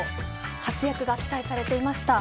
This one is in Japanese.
活躍が期待されていました。